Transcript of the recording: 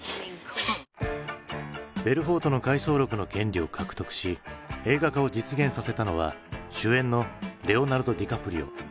ベルフォートの回想録の権利を獲得し映画化を実現させたのは主演のレオナルド・ディカプリオ。